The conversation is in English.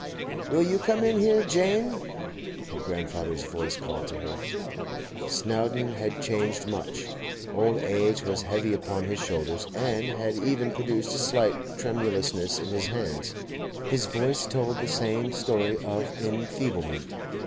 'Will you come in here, Jane?' her grandfather's voice called to her. Snowdon had changed much. Old age was heavy upon his shoulders, and had even produced a slight tremulousness in his hands; his voice told the same story of enfeeblement.